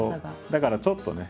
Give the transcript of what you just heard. だからちょっとね